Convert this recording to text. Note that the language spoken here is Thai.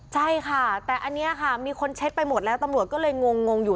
ใช่ค่ะแต่อันนี้ค่ะมีคนเช็คไปหมดแล้วตำรวจก็เลยงงอยู่